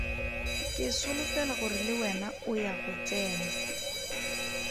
Ke solofela gore le wena o ya go tsena.